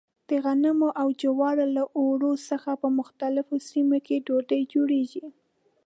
د غنمو او جوارو له اوړو څخه په مختلفو سیمو کې ډوډۍ جوړېږي.